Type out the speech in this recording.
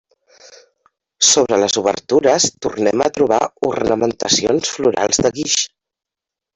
Sobre les obertures tornem a trobar ornamentacions florals de guix.